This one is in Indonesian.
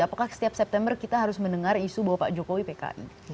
apakah setiap september kita harus mendengar isu bahwa pak jokowi pkn